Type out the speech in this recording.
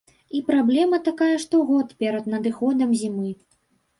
І праблема такая штогод перад надыходам зімы.